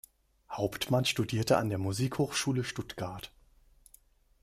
Hauptmann studierte an der Musikhochschule Stuttgart.